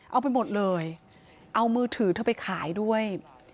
เอาไปหมดเลยเอามือถือเธอไปขายด้วย